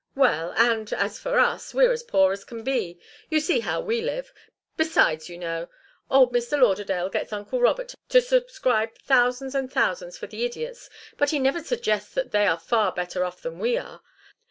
"Well and as for us, we're as poor as can be. You see how we live. Besides, you know. Old Mr. Lauderdale gets uncle Robert to subscribe thousands and thousands for the idiots, but he never suggests that they are far better off than we are.